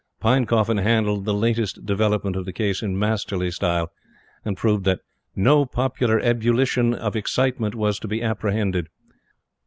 Pinecoffin handled the latest development of the case in masterly style, and proved that no "popular ebullition of excitement was to be apprehended."